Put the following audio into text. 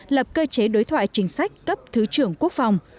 lập cơ chế đối thoại chính sách cấp thứ trưởng quốc phòng